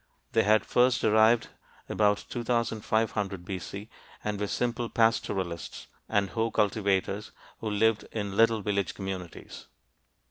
They had first arrived about 2500 B.C., and were simple pastoralists and hoe cultivators who lived in little village communities.